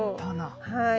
はい。